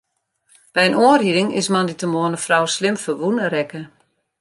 By in oanriding is moandeitemoarn in frou slim ferwûne rekke.